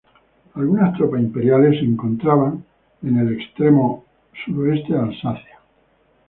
Algunas tropas imperiales se encontraban en el extremo suroeste de Alsacia.